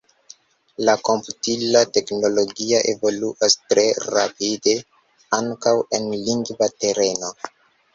La komputila teknologio evoluas tre rapide ankaŭ en lingva tereno.